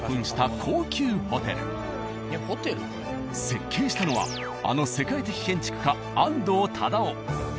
設計したのはあの世界的建築家・安藤忠雄。